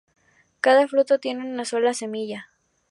Cada fruto tiene una sola semilla.